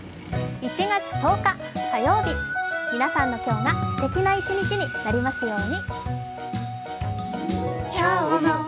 １月１０日火曜日、皆さんの今日がすてきな一日になりますように。